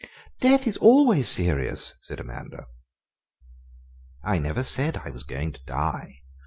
"Death is always serious," said Amanda. "I never said I was going to die.